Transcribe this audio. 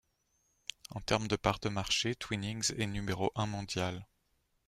En termes de parts de marché, Twinings est numéro un mondial.